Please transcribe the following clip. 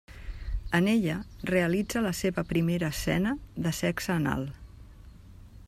En ella realitza la seva primera escena de sexe anal.